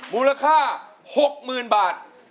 มูลค่า๖๐๐๐บาท